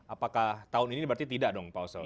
apakah tahun ini berarti tidak dong pak oso